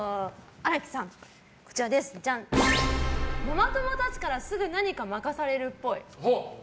荒木さん、ママ友たちからすぐ何か任されるっぽい。